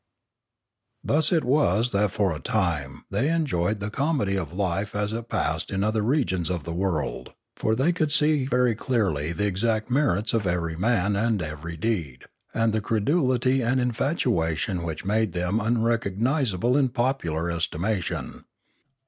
Thus it was that for a time they enjoyed the comedy of life as it passed in other regions of the world, for they could see very clearly the exact merits of every man and every deed, and the credulity and infatuation which made them unrecognisable in popular estimation.